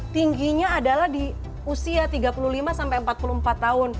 tingginya adalah di usia tiga puluh lima sampai empat puluh empat tahun